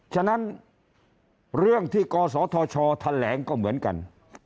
ฉะนั้นเรื่องที่กศธชแถลงก็เหมือนกัน